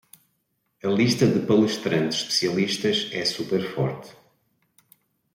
A lista de palestrantes especialistas é super forte